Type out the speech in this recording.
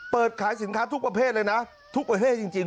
เปิดขายสินค้าทุกประเภทเลยนะทุกประเทศจริง